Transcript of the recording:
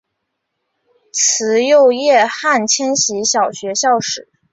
慈幼叶汉千禧小学校史